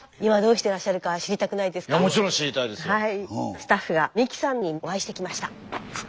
スタッフが美希さんにお会いしてきました。